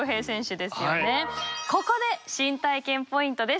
ここで新体験ポイントです。